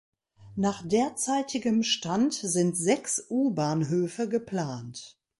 Nach derzeitigem Stand sind sechs U-Bahnhöfe geplant.